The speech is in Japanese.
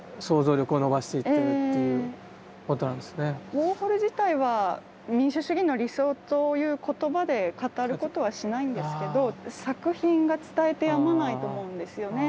ウォーホル自体は民主主義の理想という言葉で語ることはしないんですけど作品が伝えてやまないと思うんですよね。